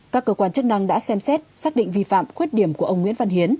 các cơ quan chức năng đã xem xét xác định vi phạm khuyết điểm của ông nguyễn văn hiến